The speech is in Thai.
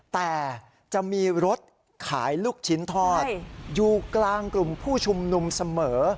แต่จะมีรถขายลูกชิ้นทอดอยู่กลางกลุ่มผู้ชุมนุมเสมอ